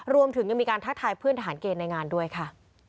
รวมถึงยังมีการทักทายเพื่อนทหารเกณฑ์ในงานด้วยค่ะ